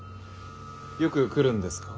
よく来るんですか？